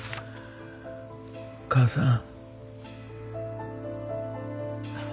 母さん。